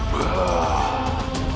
apapun syaratnya akan kupenuhi menegar